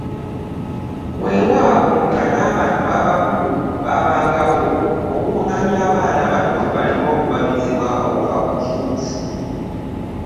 Weewaawo nga n’abantu abakulu baabangawo okuluŋŋamya abaana bano baleme okuwabizibwa okuva ku kituufu.